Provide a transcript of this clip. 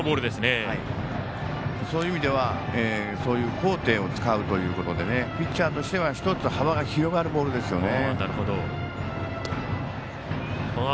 そういう意味ではそういう高低を使うということでピッチャーとしては１つ幅が広がるボールですよね。